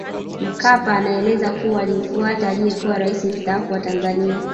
Mkapa anaeleza kuwa alimfuata aliyekuwa rais mstaafu wa Tanzania